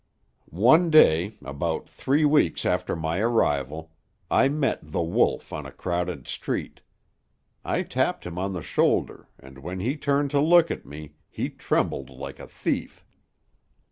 "One day, about three weeks after my arrival, I met The Wolf on a crowded street. I tapped him on the shoulder, and when he turned to look at me, he trembled like a thief.